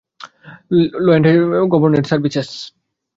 লয়েন্ড Hansen, Hansen government services.